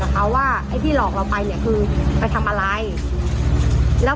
โดยความที่แบบมันแบบ